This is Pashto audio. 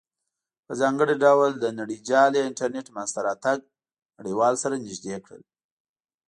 په ځانګړې ډول د نړیجال یا انټرنیټ مینځ ته راتګ نړیوال سره نزدې کړل.